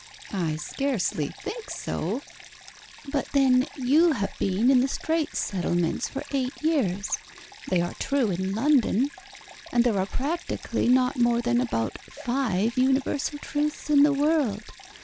"I scarcely think so." "But, then, you have been in the Straits Settlements for eight years. They are true in London. And there are practically not more than about five universal truths in the world.